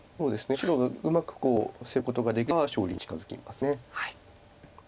白がうまくこう狭めることができれば勝利に近づきます。